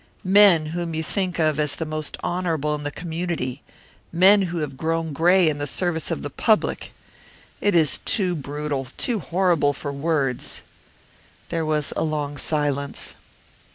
Men whom you think of as the most honourable in the community men who have grown grey in the service of the public! It is too brutal, too horrible for words!" There was a long silence.